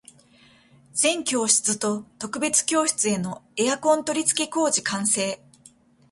全教室と特別教室へのエアコン取り付け工事完成